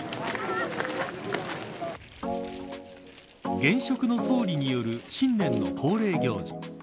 現職の総理による新年の恒例行事。